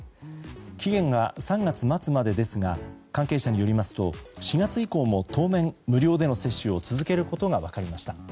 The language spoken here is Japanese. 期限は３月末までですが関係者によりますと、４月以降も当面、無料での接種を続けることが分かりました。